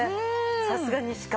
さすが西川。